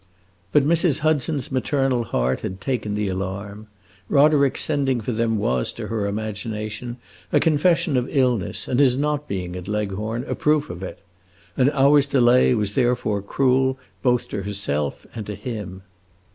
But Mrs. Hudson's maternal heart had taken the alarm. Roderick's sending for them was, to her imagination, a confession of illness, and his not being at Leghorn, a proof of it; an hour's delay was therefore cruel both to herself and to him.